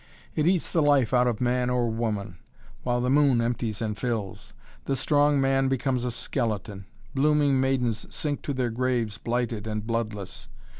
It eats the life out of man or woman, while the moon empties and fills. The strong man becomes a skeleton. Blooming maidens sink to their graves blighted and bloodless.